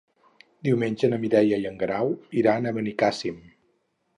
Diumenge na Mireia i en Guerau iran a Benicàssim.